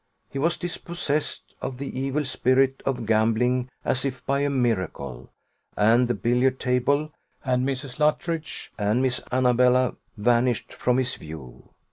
He was dispossessed of the evil spirit of gambling as if by a miracle; and the billiard table, and Mrs. Luttridge, and Miss Annabella, vanished from his view.